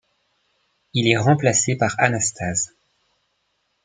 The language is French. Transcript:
Il est remplacé par Anastase.